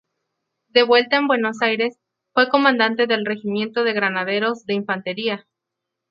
De vuelta en Buenos Aires, fue comandante del Regimiento de Granaderos de Infantería.